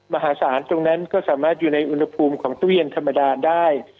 มหาศาลตรงนั้นก็สามารถอยู่ในอุณหภูมิของตู้เย็นธรรมดาได้